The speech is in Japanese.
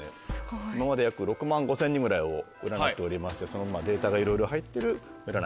今まで約６万５０００人ぐらいを占っておりましてそのデータがいろいろ入ってる占いです。